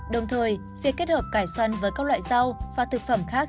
đồng thời việc kết hợp cải xoăn với các loại rau và thực phẩm khác